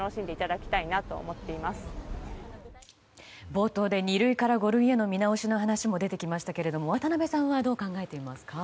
冒頭で二類から五類への見直しの話も出てきましたが渡辺さんはどう考えていますか？